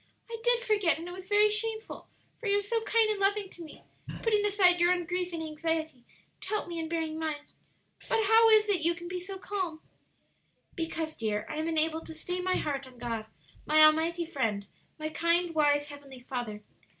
"I did forget, and it was very shameful, for you are so kind and loving to me, putting aside your own grief and anxiety to help me in bearing mine. But how is it yon can be so calm?" "Because, dear, I am enabled to stay my heart on God, my Almighty Friend, my kind, wise, Heavenly Father.